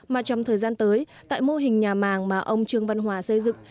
mà trong thời gian tới tại mô hình nhà màng mà ông trương văn hòa xây dựng